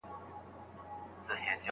مسوده د استاد لخوا په ځیرتیا سره کتل کېږي.